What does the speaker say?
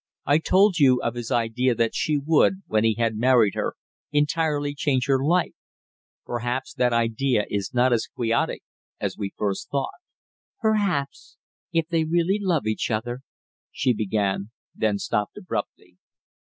I told you of his idea that she would, when he had married her, entirely change her life. Perhaps that idea is not as quixotic as we first thought." "Perhaps, if they really love each other " she began, then stopped abruptly.